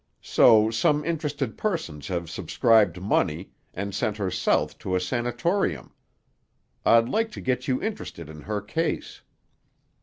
So some interested persons have subscribed money, and sent her south to a sanatorium. I'd like to get you interested in her case."